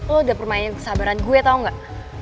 lo udah permain kesabaran gue tau gak